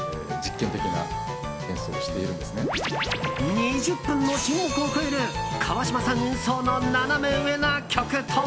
２０分の沈黙を超える川島さん演奏のナナメ上な曲とは。